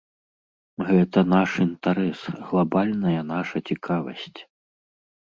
Гэта наш інтарэс, глабальная наша цікавасць!